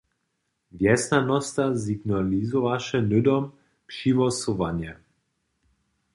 Wjesnjanosta signalizowaše hnydom přihłosowanje.